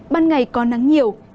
ban ngày có nắng nhiều